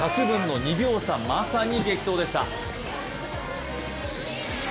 １００分の２秒差、まさに激闘でした。